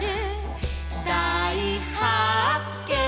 「だいはっけん！」